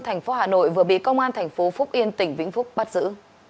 thành phố hà nội vừa bị công an thành phố phúc yên tỉnh vĩnh phúc bắt giữ